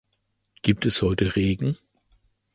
Gibt es heute Regen?